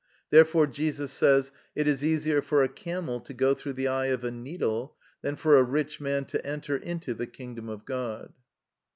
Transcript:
Therefore Jesus says: "It is easier for a camel to go through the eye of a needle, than for a rich man to enter into the kingdom of God."